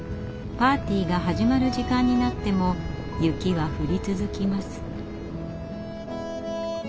パーティーが始まる時間になっても雪は降り続きます。